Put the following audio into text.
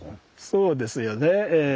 そうですよねええ。